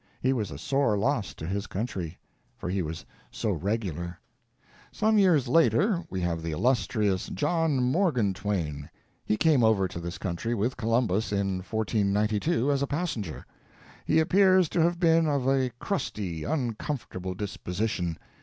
He was a sore loss to his country. For he was so regular. Some years later we have the illustrious John Morgan Twain. He came over to this country with Columbus in 1492 as a passenger. He appears to have been of a crusty, uncomfortable disposition.